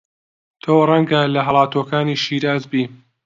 تۆ ڕەنگە لە هەڵاتووەکانی شیراز بی